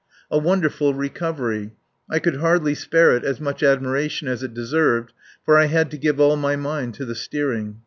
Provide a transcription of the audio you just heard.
A wonderful recovery. I could hardly spare it as much admiration as it deserved, for I had to give all my mind to the steering.